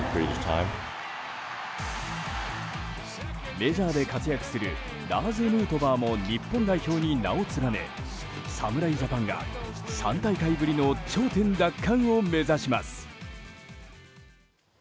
メジャーで活躍するラーズ・ヌートバーも日本代表に名を連ね侍ジャパンが３大会ぶりの頂点奪還を目指します。